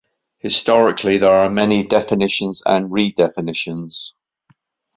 Historically, there were many definitions and redefinitions.